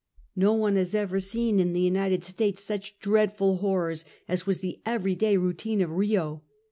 No one has ever seen in the United States such dreadful horrors as was the everyday routine of Rio.